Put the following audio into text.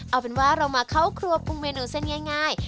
เอาเป็นว่าเรามาเข้าครัวปรุงเมนูเส้นง่าย